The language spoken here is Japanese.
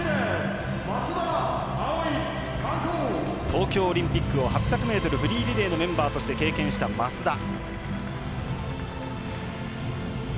東京オリンピックを８００ｍフリーリレーのメンバーとして経験した増田。